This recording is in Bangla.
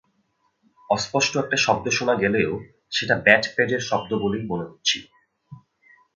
অস্পষ্ট একটা শব্দ শোনা গেলেও সেটা ব্যাট-প্যাডের শব্দ বলেই মনে হচ্ছিল।